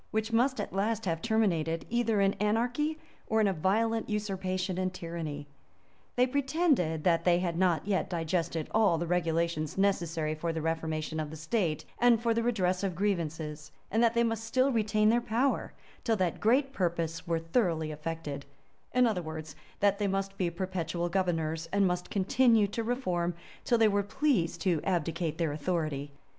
which must at last have terminated either in anarchy, or in a violent usurpation and tyranny. They pretended that they had not yet digested all the regulations necessary for the reformation of the state, and for the redress of grievances; and that they must still retain their power, till that great purpose were thoroughly effected: in other words, that they must be perpetual governors, and must continue to reform, till they were pleased to abdicate their authority.